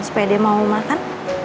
supaya dia mau makan